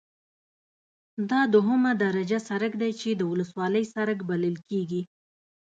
دا دوهمه درجه سرک دی چې د ولسوالۍ سرک بلل کیږي